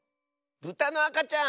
ブタのあかちゃん！